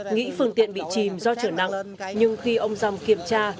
nghĩ phương tiện bị chìm do trở nắng nhưng khi ông dòng kiểm tra